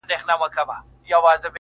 د غوجلې صحنه يادېږي بيا بيا,